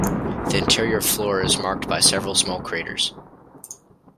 The interior floor is marked by several small craters.